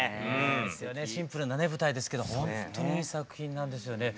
シンプルなね舞台ですけどほんとにいい作品なんですよね。